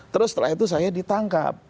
terus setelah itu saya ditangkap